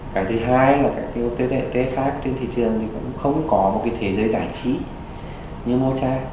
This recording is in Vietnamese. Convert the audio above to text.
cái thứ hai là các cái ott khác trên thị trường thì cũng không có một cái thế giới giải trí như mocha